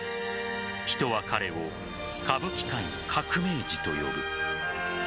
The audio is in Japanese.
人は彼を歌舞伎界の革命児と呼ぶ。